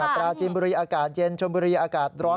ปราจีนบุรีอากาศเย็นชนบุรีอากาศร้อน